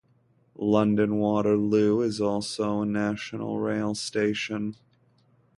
London Waterloo is also a National Rail station.